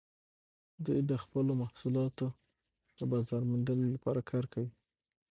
دوی د خپلو محصولاتو د بازارموندنې لپاره کار کوي